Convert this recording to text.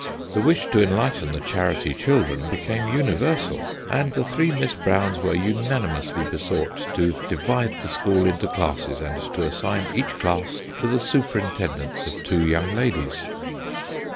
The wish to enlighten the charity children became universal, and the three Miss Browns were unani mously besought to divide the school into classes, and to assign each class to the superintendence of two young ladies.